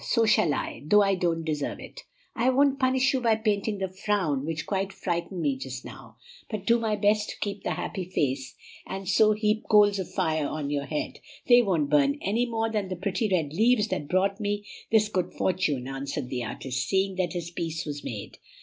So shall I, though I don't deserve it." "I won't punish you by painting the frown that quite frightened me just now, but do my best to keep the happy face, and so heap coals of fire on your head. They won't burn any more than the pretty red leaves that brought me this good fortune," answered the artist, seeing that his peace was made.